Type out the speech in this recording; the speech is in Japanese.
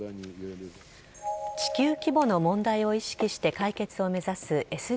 地球規模の問題を意識して解決を目指すＳＤＧｓ。